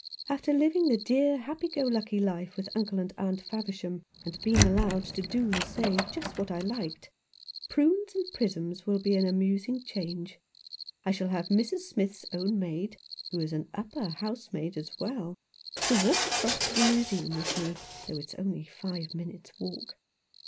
" After living the dear happy go lucky life with Uncle and Aunt Faversham, and being allowed to do and say just what I liked, prunes and prisms will be an amus ing change. I shall have Mrs. Smith's own maid — who is upper housemaid as well — to walk across to the Museum with me, though it's only five minutes' walk.